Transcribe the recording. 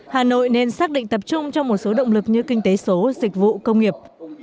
hà nội nên xác định tập trung cho một số động lực như kinh tế số dịch vụ công nghiệp